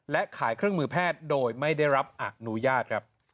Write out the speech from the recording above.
และขายเครื่องมือแพทย์โดยไม่ได้รับอนุญาตครับ